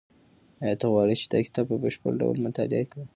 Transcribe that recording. ایا ته غواړې چې دا کتاب په بشپړ ډول مطالعه کړې؟